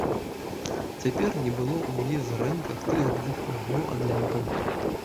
Цяпер не было ў яе зрэнках тых двух агнёў ад лямпы.